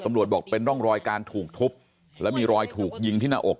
บอกเป็นร่องรอยการถูกทุบแล้วมีรอยถูกยิงที่หน้าอก